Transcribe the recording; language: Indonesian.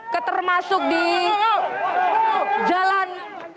ketermasuk di jalan